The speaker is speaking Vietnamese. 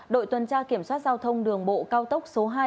đội tuần tra kiểm soát giao thông đường bộ cao tốc số hai